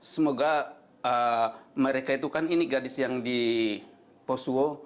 semoga mereka itu kan ini gadis yang di posuo